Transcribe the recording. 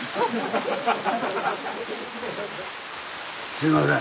すいません。